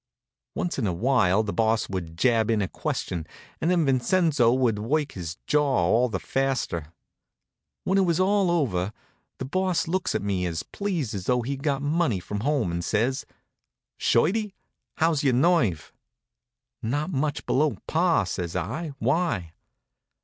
Once in a while the Boss would jab in a question, and then old Vincenzo would work his jaw all the faster. When it was all over the Boss looks at me as pleased as though he'd got money from home, and says: "Shorty, how's your nerve?" "Not much below par," says I. "Why?"